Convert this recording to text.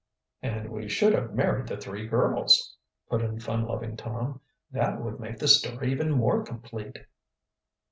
"And we should have married the three girls," put in fun loving Tom. "That would make the story even more complete."